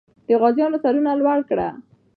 د غازیانو سرونه لوړ کړه.